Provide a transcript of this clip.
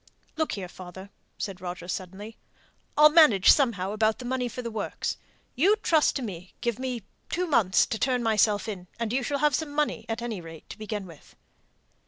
"Look here, father!" said Roger, suddenly, "I'll manage somehow about the money for the works. You trust to me; give me two months to turn myself in, and you shall have some money, at any rate, to begin with."